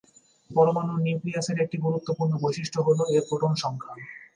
পরমাণুর নিউক্লিয়াসের একটি গুরুত্বপূর্ণ বৈশিষ্ট্য হল এর প্রোটন সংখ্যা।